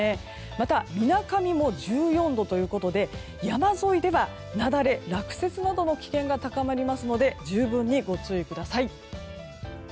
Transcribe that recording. またみなかみも１４度ということで山沿いでは雪崩、落雪などの危険が高まりますので十分にご注意ください。